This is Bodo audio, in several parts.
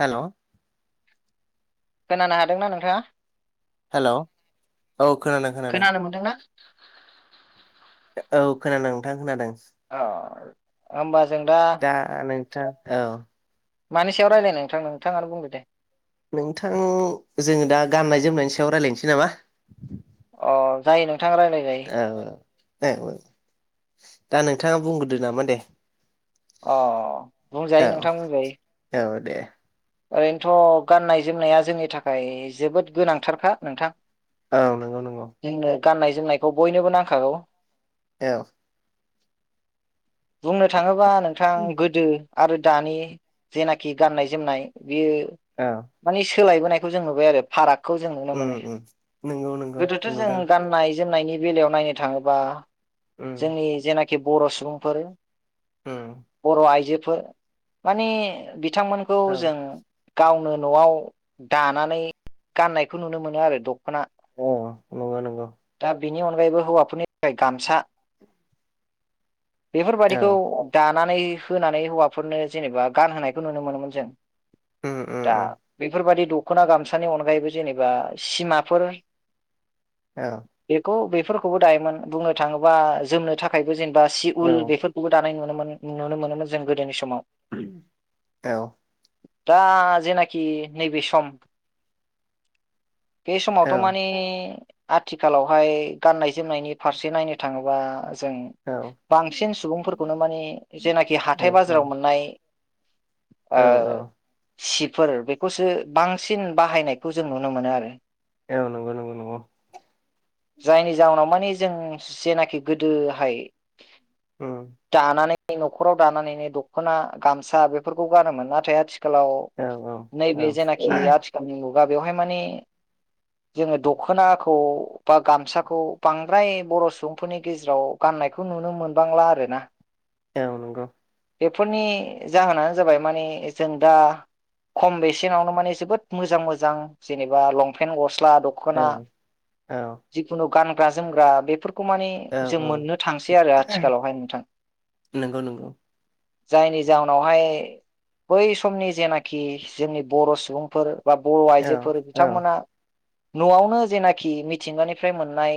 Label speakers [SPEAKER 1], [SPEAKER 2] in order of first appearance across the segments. [SPEAKER 1] हेलौ
[SPEAKER 2] खोनानो हादोंना नोंथाङा?
[SPEAKER 1] हेल' औ खोनादों खोनादों।
[SPEAKER 2] खोनानो मोनदोंना
[SPEAKER 1] औ खोनादों नोंथां खोनादों।
[SPEAKER 2] औ होनबा जों दा
[SPEAKER 1] औ
[SPEAKER 2] मानि सायाव रायज्लायनो नोंथां नोंथाङा आरो बुंदो दे।
[SPEAKER 1] नोंथां जोङो दा गाननाय जोमनायनि सायाव रायलायनोसै नामा?
[SPEAKER 2] अ जायो नों
[SPEAKER 1] औ औ औ औ दा नोंथाङा बुंग्रोदो नामा दे।
[SPEAKER 2] अ
[SPEAKER 1] औ
[SPEAKER 2] बुंजायो नोंथां बुंजायो।
[SPEAKER 1] औ दे
[SPEAKER 2] ओरैनोथ' गाननाय जोमनाया जोंनि थाखाय जोबोद गोनांथारखा नोंथां।
[SPEAKER 1] औ नंगौ नंगौ।
[SPEAKER 2] जोंनो गाननाय जोमनायखौ बयनोबो नांखागौ।
[SPEAKER 1] औ।
[SPEAKER 2] बुंनो थाङोबा नोंथां गोदो आरो दानि जेनाखि गाननाय जोमनाय बियो
[SPEAKER 1] औ
[SPEAKER 2] माने सोलायबोनायखौ जों नुबाय आरो फाराग खौ जों नुनो
[SPEAKER 1] उम
[SPEAKER 2] मोनो
[SPEAKER 1] उम नंगौ नंगौ
[SPEAKER 2] गोदोथ' जों
[SPEAKER 1] नुदों
[SPEAKER 2] गाननाय जोमनायनि बेलायाव नायनो थाङोबा
[SPEAKER 1] उम
[SPEAKER 2] जोंनि जेनाखि बर' सुबुंफोर
[SPEAKER 1] उम
[SPEAKER 2] बर' आइजोफोर माने बिथांमोनखौ
[SPEAKER 1] औ
[SPEAKER 2] जों गावनो न'आव दानानै गाननायखौ नुनो मोनो आरो द खना
[SPEAKER 1] औ नंगौ नंगौ
[SPEAKER 2] दा बेनि अनगायैबो हौफोरनि गामसाबेफोर
[SPEAKER 1] औ
[SPEAKER 2] बादिखौ गा नानै होनानै हौवाफोरनो जेनेबा गान होनायखौ नुनो मोनोमोन जों।
[SPEAKER 1] उम उम
[SPEAKER 2] दा
[SPEAKER 1] उम
[SPEAKER 2] बेफोरबायदि दख दख'ना गामसानि अनगायैबो जेनेबा सिमाफोर
[SPEAKER 1] औ
[SPEAKER 2] बेखौ बेब बेफोरखौबो दायोमोन बुंनो थाङोबा जोमनो थाखायबो जेनेबा सि
[SPEAKER 1] औ
[SPEAKER 2] उल बेफोरखौबो दानाय नुनो मोन। नुनो मोनोमोन जों गोदोनि समाव।
[SPEAKER 1] औ
[SPEAKER 2] दा जेनाखि नैबे सम। बे
[SPEAKER 1] औ
[SPEAKER 2] समावथ' माने आथिखालावहाय गाननाय जोमनायनि फारसे नायनो थाङोबा। जों बांसिन सुबुंफोरखौनो मानि जेनाखि हाथाय
[SPEAKER 1] औ
[SPEAKER 2] बाजाराव मोननाय। ओ
[SPEAKER 1] औ औ
[SPEAKER 2] सिफोर बेखौसो बांसिन बाहायनायखौ जों नुनो मोनो आरो।
[SPEAKER 1] औ नंगौ नंगौ नंगौ
[SPEAKER 2] जायनि जाहोनाव माने जों जेनाखि गोदोहाय
[SPEAKER 1] उम
[SPEAKER 2] दानानै। न'खराव दानानैनो दख'ना गामसा बेफोरखौ गानोमोन नाथाय आथिख खालाव
[SPEAKER 1] औ औ
[SPEAKER 2] नैबे जेनाखि आथिखालनि मुगा बेवहाय माने। जोंङो दख'नाखौ बा गामसाखौ बांद्राय बर' सुबुंफोरनि गेजेराव गा फाननायखौ नुनो मोनबांला आरो ना।
[SPEAKER 1] औ नंगौ।
[SPEAKER 2] बेफोरनि जाहोनानो जाबाय माने। जों दा खम बेसेनावनो माने जोबोद मोजां मोजां जेनेबा लंपेन्ट ख गस्ला
[SPEAKER 1] औ
[SPEAKER 2] दखना
[SPEAKER 1] औ
[SPEAKER 2] जिखुनु गानग्रा जोमग्रा बेफोरख खौ माने
[SPEAKER 1] औ
[SPEAKER 2] जों
[SPEAKER 1] औ
[SPEAKER 2] मोननो थांसै आरो आथिखालावहाय नोंथां।
[SPEAKER 1] नंगौ नंगौ
[SPEAKER 2] जायनि जाहोनावहाय बै समनि जेनाखि जोंनि बर' सुबुंफोर। बा बर'
[SPEAKER 1] औ
[SPEAKER 2] आइजोफोर
[SPEAKER 1] औ
[SPEAKER 2] बिथांमोना न'आवनो जेनाखि मिथिंगानिफ्राय मोननाय।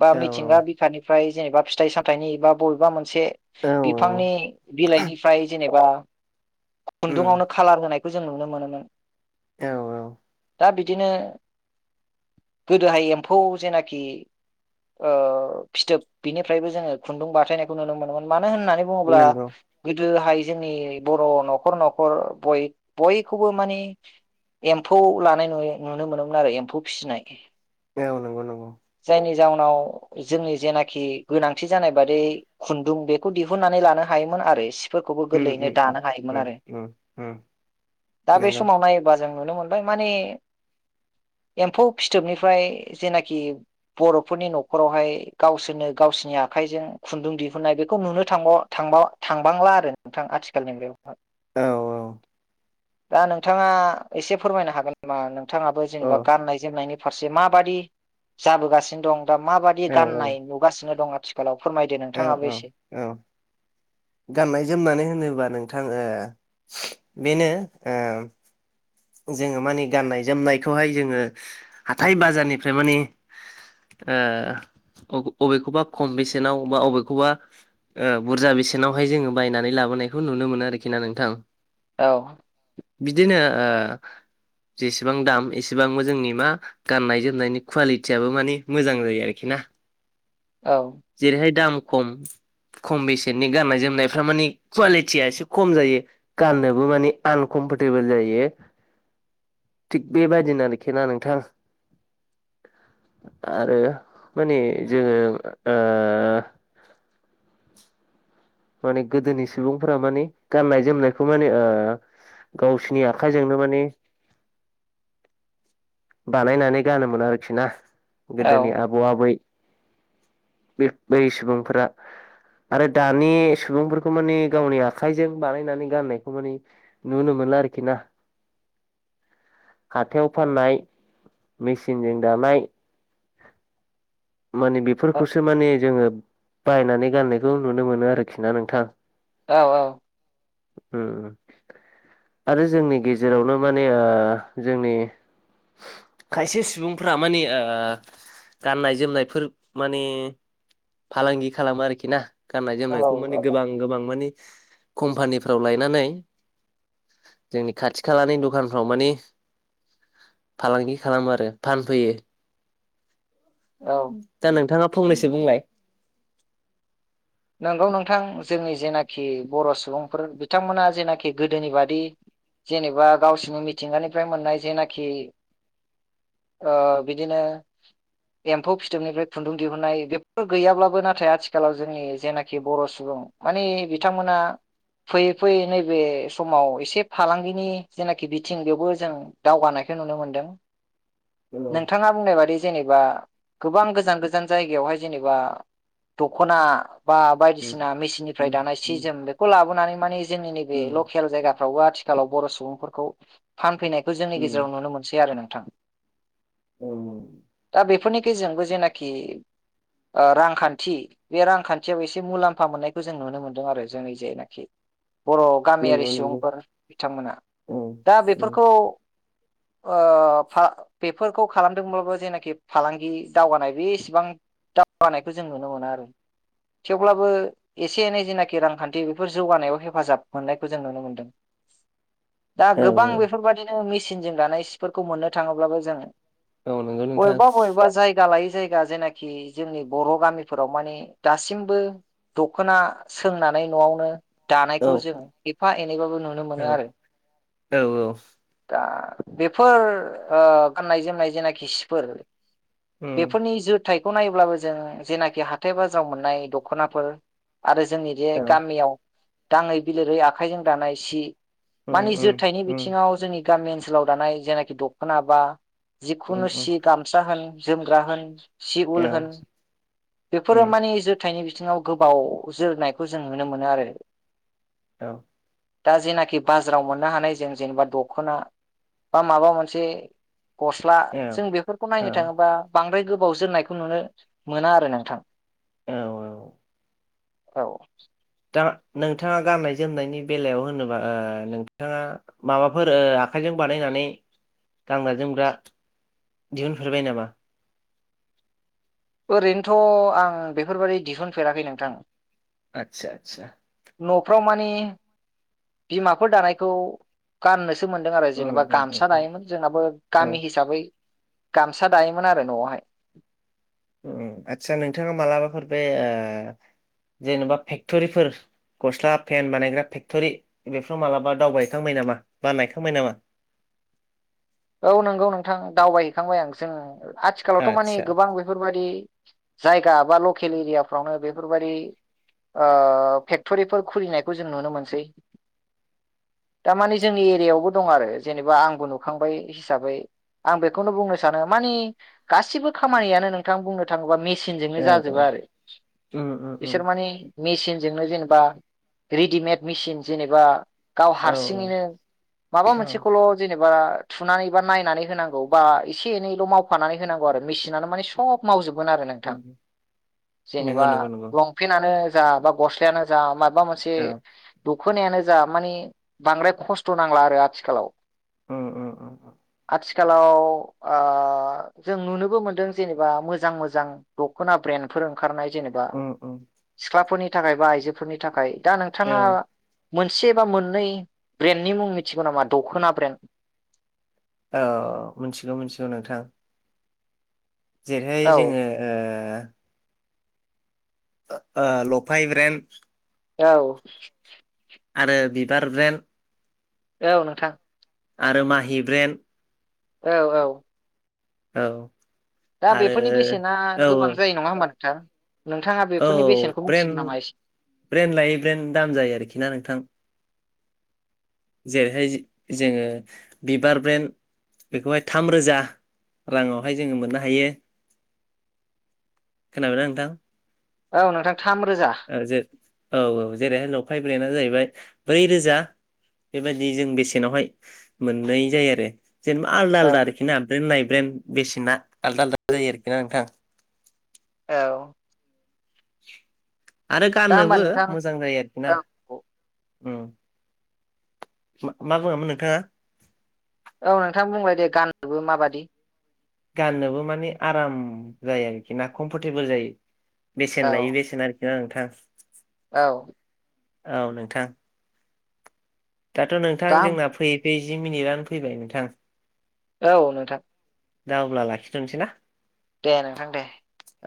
[SPEAKER 2] बा
[SPEAKER 1] औ
[SPEAKER 2] मिथिंगा बिखनिफ्राय जेनेबा फिथाइ सामथाइनि बा बबेबा मोन मोनसे
[SPEAKER 1] औ औ
[SPEAKER 2] बिफांनि बिलाइनिफ्राय जेनेबा
[SPEAKER 1] उम
[SPEAKER 2] खुन्दुंआवनो खाालार होनायखौ जों नुनो मोनोमोन।
[SPEAKER 1] औ औ
[SPEAKER 2] दा बिदिनो गोदोहाय एम्फौ जेनाखि ओ फिथोब बिनिफ्रायबो जोंङो खुन्दुं बाथायनायखौ नुनो मोनोमोन मा मानो होननानै बुङोब्ला
[SPEAKER 1] नंगौ
[SPEAKER 2] गोदोहाय जोंनि बर' न'खर न'खर बय-बयखौबो माने एम्फौ लानाय नुयो नुनो मोनोमोन आरो एम्फौ फिसिनाय
[SPEAKER 1] औ नंगौ नंगौ।
[SPEAKER 2] जायनि जाउनाव जोंनि जेनाखि गोनांथि जानाय बादियै खुन्दुं बेखौ दिहुननानै लानो हायोमोन। आरो सिफोरखौबो
[SPEAKER 1] उम
[SPEAKER 2] गोरलैयैनो
[SPEAKER 1] उम उम
[SPEAKER 2] दानो हायोमोन
[SPEAKER 1] उम
[SPEAKER 2] आरो
[SPEAKER 1] उम उम
[SPEAKER 2] दा बे
[SPEAKER 1] नंगौ
[SPEAKER 2] समाव नायोबा जों। नुनो मोनबाय माने।
[SPEAKER 1] [inaudible]
[SPEAKER 2] एम्फौ फिथोबनिफ्राय जेनाखि बर'फोरनि न'खरावहाय गावसोरनो गावसिनि आख खाइजों खुन्दुं दिहुननाय बेखौ नुनो थांबावा थांबव थांबांला आरो नोंथां आथिखालनि बेवहाय।
[SPEAKER 1] औ औ।
[SPEAKER 2] दा नोंथाङा एसे फोरमायनो हागोन नामा नोंथाङाबो
[SPEAKER 1] औ
[SPEAKER 2] जेनेबा गाननाय जोमनायनि। फारसे माबाददि जाबोगासिनो दं दा माबादि
[SPEAKER 1] औ
[SPEAKER 2] गाननाय नुगासिनो दं आथिखालाव। फोरमायदो
[SPEAKER 1] औ
[SPEAKER 2] नोंथाङाबो एसे।
[SPEAKER 1] औ औ गाननाय जोमनानै होनोबा नोंथां बेनो ओ। जोङो माने गाननाय जोमनायखौहाय जोंङो हाथाय बाजारनिफ्राय माने। ओ अग-अबेखौबा खम बेसेनाव बा बबेखौबा। ओ बुरजा बेसेनावहाय जोंङो बायनानै लाबोनायखौ नुनो मोनो आरोखि ना नोंथां।
[SPEAKER 2] औ।
[SPEAKER 1] बिदिनो ओ। जेसेबां दाम एसेबांबो जोंनि मा गाननाय जोमनायनि खुवालिटियाबो मानिे मोजां जायो आरोखि ना
[SPEAKER 2] औ
[SPEAKER 1] जेरैहाय दाम खम खम बेसेननि गाननाय जोमनायफ्रा माने कुवालिटिया एसे खम जायो गाननोबो माने आनकम- परटेबोल जायो थिग बेबादिनो आरोख ना नोंथां आरो माने जोङो ओ [unintelligible] माने गोदोनि सुबुंफोरा माने गाननाय जोमनायखौ माने ओ गावसिनि आखायजोंनो माने बानायनानै गानोमोन आरोखि ना
[SPEAKER 2] औ
[SPEAKER 1] गोदोनि आबौ आबै बे बै सुबुंफोरा आरो दानि सुबुंफोरखौ माने गावनि आखाइजों बानायनानै गाननायखौ माने नुनो मोनो ना आरोखि ना हाथायाव फाननाय मेसिनजों दानाय माने बेफोरखौसो माने जोङो बायनानै गाननायखौ नुनो मोनो आरोखि ना नोंथां
[SPEAKER 2] औ औ
[SPEAKER 1] उम उम आरो जोंनि गेजेरावनो माने ओ जोंनि खायसे सुबुंफोरा माने ओ गाननाय जोमनायफोर माने फालांगि खालामो आरोखि ना गाननाय
[SPEAKER 2] औ
[SPEAKER 1] जोमनायखौ माने
[SPEAKER 2] औ
[SPEAKER 1] गोबां गोबां मानि कम्पानिफ्राव लायनानै जोंनि खाथि खालानि दखानफ्राव माने फालांगि खालामो आरो फानफैयो
[SPEAKER 2] औ
[SPEAKER 1] दा नोंथाङा फंनैसो बुंलाय
[SPEAKER 2] नंगौ नोंथां जोंनि जेनाखि बर सुबुंफोर बिथांमोना जेनाखि गोदोनि बादि जेनेबा गावसिनि मिथिंगानिफ्राय मोननाय जेनाखि ओ बिदिनो एम्फौ फिथोबनिफ्राय खुन्दुं दिहुननाय बेफोर गैयाब्लाबो नाथाय आथिखालाव जोंनि जेनाखि बर सुबुं माने बिथांमोना फैयै फैयै नैबे समाव एसे फालांगिनि जेनाखि बिथिं बेयावबो जों दावगानाय खो नुनो मोनदों नोंथाङा बुंनाय बादि जेनेबा गोबां गोजान गोजान जायगायावहाय जेनेबा दखना बा बायदिसिना मेसिन निफ्राय दानाय सि जोम बेखौ लाबोनानै माने जोंनि नैबे लकेल जायगाफ्रावबो आथिखालाव बर सुबुंफोरखौ फानफैनायखौ जोंनि गेजेराव नुनो मोनसै आरो नोंथां
[SPEAKER 1] [unintelligible]
[SPEAKER 2] दा बेफोरनि गेजेरजोंबो जेनाखि ओ रांखान्थि बे रांखान्थि खान्थियाव एसे मुलाम्फा मोननायखौ जों नुनो मोन्दों आरो जोंनि जेनाखि बर गामियारि
[SPEAKER 1] नंगौ नंगौ
[SPEAKER 2] सुबुंफोर बिथांमोना
[SPEAKER 1] औ
[SPEAKER 2] दा बेफोरखौ ओ फा-बेफोरखौ खालामदोंब्लाबो जेनाखि फालांगि दावगानाय बे एसेबां दावगानायखौ जों नुनो मोना आरो थेवब्लाबो एसे एनै जेनाखि रांखान्थि बेफोर जौगानायाव हेफाजाब मोननायखौ जों नुनो मोनदों
[SPEAKER 1] [unintelligible]
[SPEAKER 2] दा
[SPEAKER 1] औ
[SPEAKER 2] गोबां
[SPEAKER 1] औ
[SPEAKER 2] बेफोरबायाददिनो मेसिनजों दानाय सिफोरखौ मोननो थाङोब्लाबो जोङो
[SPEAKER 1] औ नंगौ नोंथां
[SPEAKER 2] बबेबा बबेबा जायगा लायै जायगा जेनाखि जोंनि बर गामिफोराव माने दासिमबो दखना सोंनानै नआवनो
[SPEAKER 1] औ
[SPEAKER 2] दानायखौ जों एफा एनैबाबो नुनो मोनो
[SPEAKER 1] औ
[SPEAKER 2] आरो
[SPEAKER 1] औ औ
[SPEAKER 2] दा बेफोर ओ गाननाय जोमनाय जेनाखि सिफोर
[SPEAKER 1] उम
[SPEAKER 2] बेफोरनि जि टाइप बेखौ नायोब्लाबो जों जेनाखि हाथाय बाजाराव मोन्नाय दखनाफोर आरो जोंनि बे
[SPEAKER 1] औ
[SPEAKER 2] गामियाव दाङै बिलिरै आखाइजों दानाय सि
[SPEAKER 1] उम
[SPEAKER 2] मानि
[SPEAKER 1] उम
[SPEAKER 2] जोरथायनि
[SPEAKER 1] उम उम
[SPEAKER 2] बिथिङाव जोंनि गामि ओनसोलाव दानाय जेनाखि दखना बा
[SPEAKER 1] उम
[SPEAKER 2] जिखुनु सि गामसा होन जोमग्रा होन सि
[SPEAKER 1] औ
[SPEAKER 2] उल होन बेफो फोर
[SPEAKER 1] उम
[SPEAKER 2] मानि जोरथायनि बिथिङाव गोबाव जोरनायखौ जों नुनो मोनो आरो
[SPEAKER 1] औ
[SPEAKER 2] दा जेनाखि बाजाराव मोननो हानाय जों जेनेबा दख'ना बा माबा मोनसे गस्ला
[SPEAKER 1] औ
[SPEAKER 2] जों बेफोरखौ
[SPEAKER 1] औ
[SPEAKER 2] नायनो थाङोबा बांद्राय गोबाव जोननायखौ नुनो मोना आरो नोंथां
[SPEAKER 1] औ
[SPEAKER 2] औ
[SPEAKER 1] दा नोंथाङा गाननाय जोमनायनि बेलायाव होनोबा ओ नोंथाङा माबाफोर ओ आखायजों बानायनानै गानग्रा जोमग्रा दिहुनफेरबाय नामा?
[SPEAKER 2] ओरैनोथ' आं बेफोरबायदि दिहुनफेराखै नोंथां
[SPEAKER 1] आतसा आतसा
[SPEAKER 2] न'फ्राव मानिे बिमाफोर दानायखौ गाननोसै सो मोनदों आरो
[SPEAKER 1] उम
[SPEAKER 2] जेनेबा
[SPEAKER 1] उम
[SPEAKER 2] गामसा
[SPEAKER 1] उम
[SPEAKER 2] दायोमोन जोंनाबो
[SPEAKER 1] औ
[SPEAKER 2] गामि हिसाबै गामसा दायोमोन आरो न'आवहाय
[SPEAKER 1] उ आदसा नोंथाङा मालाबाफोर बे ओ जेनेबा फेक्टरिफोर गस्ला फेन बानायग्रा फेक्ट'रि बेफोराव मालाबा दावबायखांबाय नामा बा नायखांबाय नामा [inaudible]
[SPEAKER 2] औ नंगौ नोंथां दावबायहैखांबाय आं जों आथिखालावथ' माने
[SPEAKER 1] आतसा
[SPEAKER 2] गोबां बेफोरबायाददि जायगा बा लकेल एरियाफ्रावनो बेफोरबादि फेक्ट'रिफोर खुलिनायखौ जों नुनो मोनसै दारमाने जोंनि एरियायावबो दं आरो जेनेबा आंबो नुखांबाय हिसाबै आं बेखौनो बुंनो सानो मानि गासिबो खामानियानो नोंथां बुंनो थाङोबा मे सिनजोंनो
[SPEAKER 1] औ औ
[SPEAKER 2] जाजोबो आरो
[SPEAKER 1] उम उम उम
[SPEAKER 2] बिसोर माने मेसिनजोंनो जेनेबा रेडिमेड मेसिन जेनेबा गाव
[SPEAKER 1] औ
[SPEAKER 2] हारसिङैनो माबा
[SPEAKER 1] औ
[SPEAKER 2] मोनसेखौल' जेनेबा थुनानै बा नायनानै होनांगौ बा एसे एनैल' मावफानानै होनांगौ आरो मेसिनानो माने सब मावजोबो गोन आरो नोंथां
[SPEAKER 1] उम नंगौ
[SPEAKER 2] जेनेबा
[SPEAKER 1] नंगौ नंगौ
[SPEAKER 2] लंफेनानो जा बा गस्लायानो जा मा माबा मोनसे
[SPEAKER 1] औ
[SPEAKER 2] दखनायानो जा माने बांद्राय खस्थ' नांला आरो आथिखालाव
[SPEAKER 1] [inaudible]
[SPEAKER 2] आथिखालाव आ जों नुनोबो मोनदों जेनेबा मोजां मोजां दख'ना ब्रेन्ड फोर ओंखारनाय जेनेबा
[SPEAKER 1] उम उम
[SPEAKER 2] सिख्लाफोरनि थाखाय बा आइजोफोरनि थाखाय दा
[SPEAKER 1] औ
[SPEAKER 2] नोंथाङा मोनसे बा मोननै ब्रेन्डनि मुं मिथिगौ नामा दख'ना ब्रेन्ड
[SPEAKER 1] औ मिथिगौ मिथिगौ नोंथां जेरैहाय
[SPEAKER 2] औ
[SPEAKER 1] जोङो ओ ओ लफाइ ब्रेन
[SPEAKER 2] औ
[SPEAKER 1] आरो बिबार ब्रेन्ड
[SPEAKER 2] औ नोंथां
[SPEAKER 1] आरो माहि ब्रेन
[SPEAKER 2] औ औ
[SPEAKER 1] औ
[SPEAKER 2] दा
[SPEAKER 1] आरो
[SPEAKER 2] बेफोरनि बेसेना
[SPEAKER 1] औ
[SPEAKER 2] गोबां
[SPEAKER 1] औ
[SPEAKER 2] जायो नङा होमबा नोंथा
[SPEAKER 1] औ ब्रेन ब्रेन्ड लायै ब्रेन्ड दाम जायो आरोखि ना नोंथां जेरैहाय जोङो बिबार ब्रेन्ड बेखौहाय थाम रोजा राङावहाय जोङो मोननो हायो खोनाबायना नोंथां
[SPEAKER 2] औ नोंथां थाम रोजा
[SPEAKER 1] औ जे औ औ जेरै लफाइ ब्रेनडआ जाहैबाय ब्रै रोजा बेबायदि जों बेसेनावहाय मोननाय जायो आरो जेनबा आलदा
[SPEAKER 2] औ
[SPEAKER 1] आलदा आरोखिना ब्रेन नाय ब्रेन बेसेना आलदा आलदा जायो आरोखि ना नोंथां
[SPEAKER 2] औ
[SPEAKER 1] आरो
[SPEAKER 2] दा होमबा
[SPEAKER 1] गाननोबो
[SPEAKER 2] नोंथां
[SPEAKER 1] मोजां जायो आरोखि ना
[SPEAKER 2] औ
[SPEAKER 1] मा बुङामोन नोंथाङा?
[SPEAKER 2] औ नोंथां बुंलाय दे गाननोबो माबादि
[SPEAKER 1] गाननोबो माने आराम जायो आरोखि ना कमफर्टेबोल जायो। बेसेन
[SPEAKER 2] औ
[SPEAKER 1] लायो बेसेन आरोखि ना नोंथां
[SPEAKER 2] औ
[SPEAKER 1] औ नोंथां। दाथ' नोंथां
[SPEAKER 2] दा
[SPEAKER 1] जोंना फैयै फैयै जि मिनिटआनो फैबाय नोंथां
[SPEAKER 2] औ नोंथां।
[SPEAKER 1] दा अब्ला लाखिथ'नोसै ना?
[SPEAKER 2] दे नोंथां दे।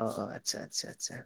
[SPEAKER 1] औ आतसा- आतसा- आतसा।